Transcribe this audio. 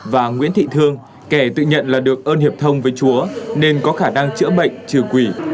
và nguyễn thị thương kẻ tự nhận là được ơn hiệp thông với chúa nên có khả năng chữa bệnh trừ quỷ